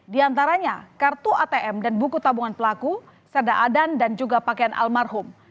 di antaranya kartu atm dan buku tabungan pelaku seda adan dan juga pakaian almarhum